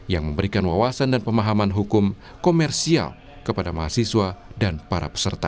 yang memberikan wawasan dan pemahaman hukum komersial kepada mahasiswa dan para peserta